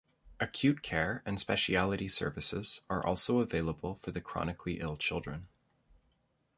Acute care and specialty services are also available for the chronically ill children.